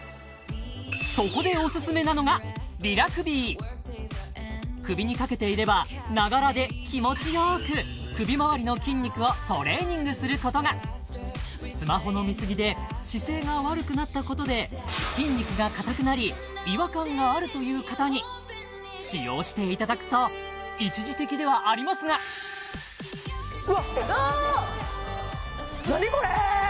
そこでオススメなのが首に掛けていれば「ながら」で気持ちよくスマホの見過ぎで姿勢が悪くなったことで筋肉が硬くなり違和感があるという方に使用していただくと一時的ではありますがうわっ何これ！？